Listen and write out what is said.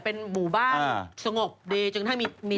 เป็นหมู่บ้านสงบดีจนทั้งมีตลาด